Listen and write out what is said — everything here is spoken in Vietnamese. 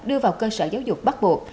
đưa vào cơ sở giáo dục bắt buộc